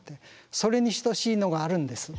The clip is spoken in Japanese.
それに等しいのがあるんです。